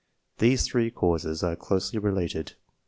These three causes are closely related.